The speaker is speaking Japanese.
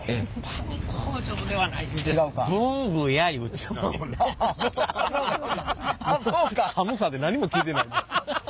寒さで何も聞いてない。